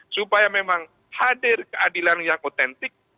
supaya memang hadir keadilan yang otentik